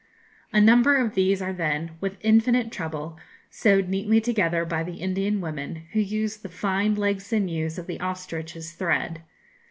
A number of these are then, with infinite trouble, sewed neatly together by the Indian women, who use the fine leg sinews of the ostrich as thread.